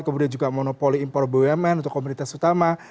kemudian juga monopoli impor bumn untuk komunitas utama